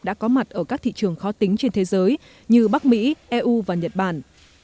đã có mặt ở các thị trường khó tính trên thế giới như bắc mỹ eu và nhật bản